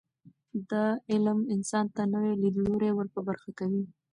دا علم انسان ته نوي لیدلوري ور په برخه کوي.